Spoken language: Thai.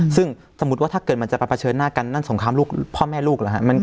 ซึ่งสมมุติว่าถ้าเกิดมันจะไปเผชิญหน้ากันนั่นสงครามลูกพ่อแม่ลูกเหรอฮะ